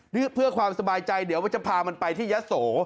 เพื่อความสบายใจเดี๋ยวว่าจะพามันไปที่ยะโส